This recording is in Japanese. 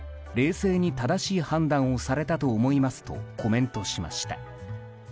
冷静に正しい判断をされたと思いますとコメントしました。